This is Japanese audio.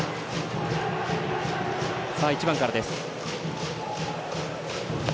１番からです。